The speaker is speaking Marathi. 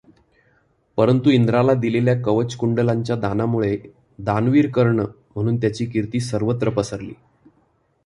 परंतु इंद्राला दिलेल्या कवच कुंडलांच्या दानामुळे दानवीर कर्ण म्हणून त्याची कीर्ती सर्वत्र पसरली.